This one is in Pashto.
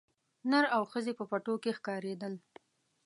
نر او ښځي په پټو کښي ښکارېدل